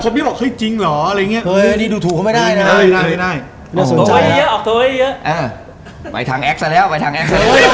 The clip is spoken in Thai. มันมั่นใจสิเฮ้อ